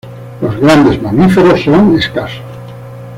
Los grandes mamíferos son escasos.